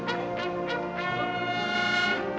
อัศวินธรรมชาติ